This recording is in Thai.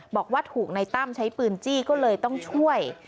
บอกว่าถูกในตั้มใช้ปืนจี้ก็เลยต้องช่วย